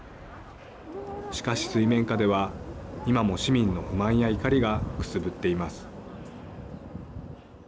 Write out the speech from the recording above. しかし水面下では今も市民の不満や怒りがくすぶっています。